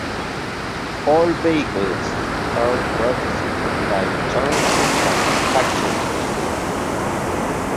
All vehicles are produced by Chongjin Bus Factory.